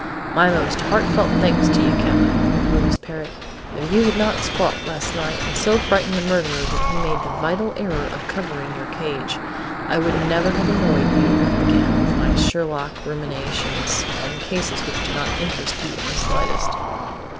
"My most heartfelt thanks to you, Cap'n!" he greeted his parrot. "If you had not squawked last night and so frightened the murderer that he made the vital error of covering your cage, I should never have annoyed you again with my Sherlock ruminations on cases which do not interest you in the slightest."